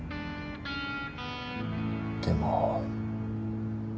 でも。